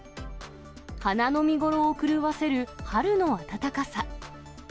花の見頃を狂わせる春の暖かさ。